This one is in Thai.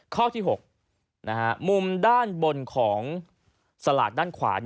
ข้อที่๖มุมด้านบนของสลากด้านขวา